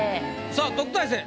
さあ特待生